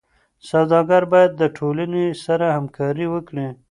سوداګر باید د ټولنې سره همکاري وکړي.